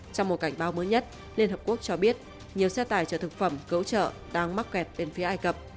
trong một cảnh báo mới nhất liên hợp quốc cho biết nhiều xe tải cho thực phẩm cấu trợ đang mắc kẹt bên phía ai cập